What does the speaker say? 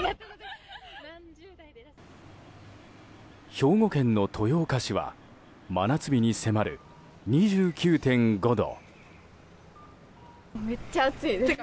兵庫県の豊岡市は真夏日に迫る２９．５度。